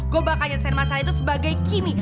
gue bakal nyesel masalah itu sebagai kimi